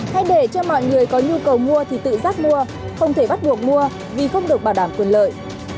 hãy để cho mọi người có nhu cầu mua thì tự giác mua không thể bắt buộc mua vì không được bảo đảm quyền lợi